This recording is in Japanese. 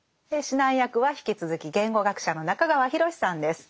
指南役は引き続き言語学者の中川裕さんです。